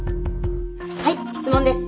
はい質問です。